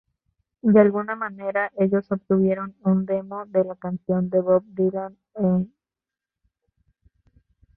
De alguna manera ellos obtuvieron un demo de la canción de Bob Dylan "Mr.